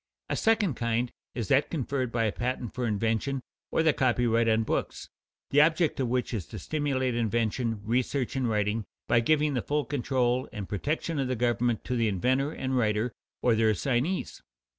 A second kind is that conferred by a patent for invention, or the copyright on books, the object of which is to stimulate invention, research, and writing by giving the full control and protection of the government to the inventor and writer or their assignees.